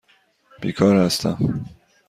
بیکار هستم.